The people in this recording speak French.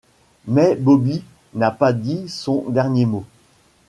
Mais Bobby n'a pas dit son dernier mot.